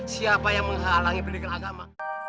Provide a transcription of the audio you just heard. siapa yang menghalangi pendidikan agama